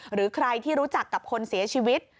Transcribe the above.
หรือใครที่รู้จักกับคนเสียชีวิต